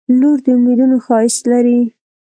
• لور د امیدونو ښایست لري.